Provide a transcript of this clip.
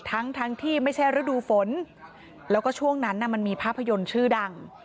ทั้งทั้งที่ไม่ใช่ฤดูฝนแล้วก็ช่วงนั้นมันมีภาพยนตร์ชื่อดัง